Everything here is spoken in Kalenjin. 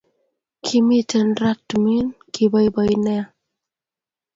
Kimiten raaa tumin kiboiboi nea